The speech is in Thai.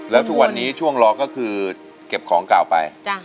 แล้วทุกวันนี้ช่วงรอก็คือเก็บของเก่าไป